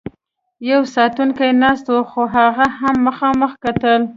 یو ساتونکی ناست و، خو هغه هم مخامخ کتل.